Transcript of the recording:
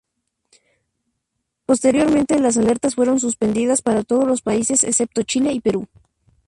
Posteriormente las alertas fueron suspendidas para todos los países excepto Chile y Perú.